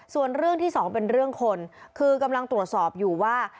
ส่วนเรื่องที่สองเป็นเรื่องคนคือกำลังตรวจสอบอยู่ว่า